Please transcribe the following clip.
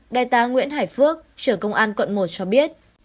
đại tá nguyễn hải phước trưởng công an quận một cho biết